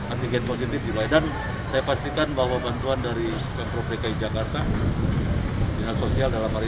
antigen positif juga dan saya pastikan bahwa bantuan dari pemprov dki jakarta dengan sosial dalam hari